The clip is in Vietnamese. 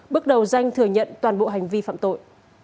bước đầu danh thừa nhận toàn bộ hành vi phạm tội